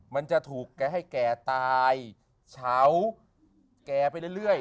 มันจะถูกแกให้แกตายเฉาแก่ไปเรื่อย